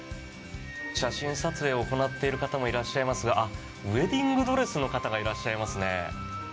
写真撮影を行っている方もいらっしゃいますがあっ、ウェディングドレスの方がいらっしゃいますね。